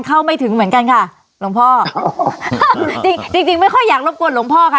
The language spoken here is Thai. เข้าไม่ถึงเหมือนกันค่ะหลวงพ่อจริงจริงไม่ค่อยอยากรบกวนหลวงพ่อค่ะ